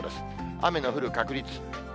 雨の降る確率。